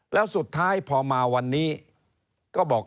แล้วสุดท้ายพอมาวันนี้ก็บอก